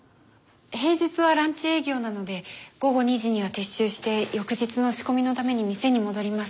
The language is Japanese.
平日はランチ営業なので午後２時には撤収して翌日の仕込みのために店に戻ります。